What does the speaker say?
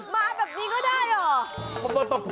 มาแบบนี้ก็ได้เหรอ